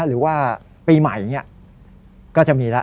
หรือว่าปีใหม่อย่างนี้ก็จะมีแล้ว